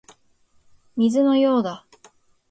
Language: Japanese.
水のようだ